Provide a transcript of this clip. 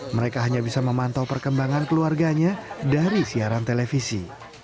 mereka hanya bisa memantau perkembangan keluarganya dari siaran televisi